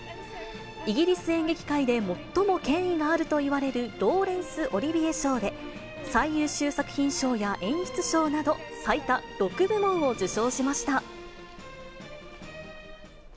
イギリス演劇界で最も権威があるといわれるローレンス・オリビエ賞で、最優秀作品賞や演出賞など、最多６部門を受賞しました。